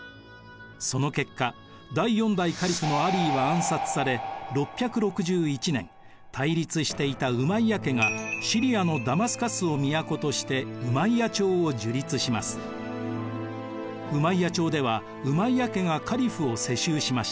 その結果第４代カリフのアリーは暗殺され６６１年対立していたウマイヤ家がシリアのダマスカスを都としてウマイヤ朝ではウマイヤ家がカリフを世襲しました。